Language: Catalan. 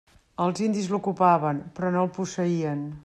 Els indis l'ocupaven, però no el posseïen.